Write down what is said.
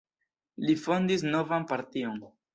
Li fondis novan partion.